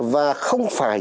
và không phải